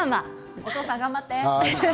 お父さん頑張って。